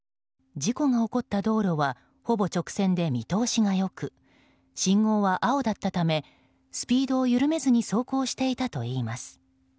事故が起こった道路はほぼ直線で見通しが良く信号は青だったためスピードを緩めずに走行していたといいます。